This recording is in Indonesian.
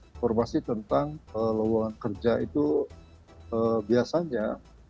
informasi tentang lowongan kerja itu biasanya